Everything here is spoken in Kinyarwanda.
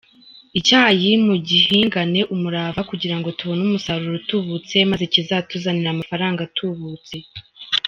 Icyayi mugihingane umurava kugira ngo tubone umusaruro utubutse, maze kizatuzanire amafaranga atubutse.